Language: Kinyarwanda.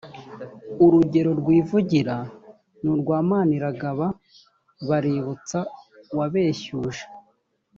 urugero rwivugira ni urwa maniragaba baributsa wabeshyuje